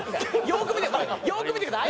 よく見てください。